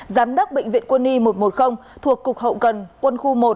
giám đốc bệnh viện quân y một trăm một mươi thuộc cục hậu cần quân khu một